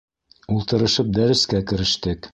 Ултырышып, дәрескә керештек.